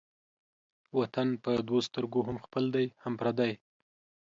وطن په دوو سترگو هم خپل دى هم پردى.